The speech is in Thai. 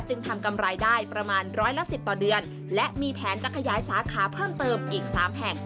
ทำกำไรได้ประมาณร้อยละสิบต่อเดือนและมีแผนจะขยายสาขาเพิ่มเติมอีก๓แห่ง